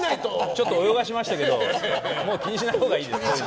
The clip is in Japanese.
ちょっと泳がせましたけどもう気にしないほうがいいです。